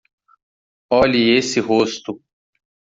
Olhe esse rosto.